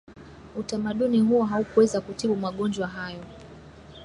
utamaduni huo haukuweza kutibu magonjwa hayo